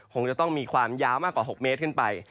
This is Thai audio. คงจะต้องมีความยาวมากกว่า๖เมตรขึ้นไป